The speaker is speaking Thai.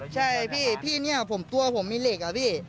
ใช่พี่เนี่ยตัวผมมีเหล็กอะพี่